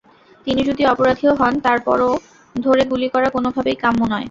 তিনি যদি অপরাধীও হন, তার পরও ধরে গুলি করা কোনোভাবেই কাম্য নয়।